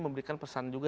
memberikan pesan juga